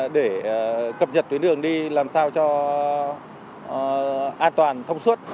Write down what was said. để cập nhật tuyến đường đi làm sao cho an toàn thông suốt